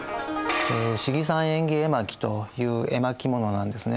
「信貴山縁起絵巻」という絵巻物なんですね。